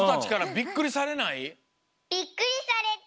びっくりされた！